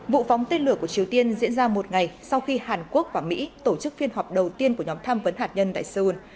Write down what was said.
vụ phóng tên lửa của triều tiên diễn ra một ngày sau khi hàn quốc và mỹ tổ chức phiên họp đầu tiên của nhóm tham vấn hạt nhân tại seoul